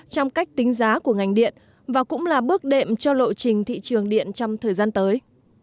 trong cách tính giá của ngành điện và cũng là bước đệm cho lộ trình thị trường điện trong thời gian tới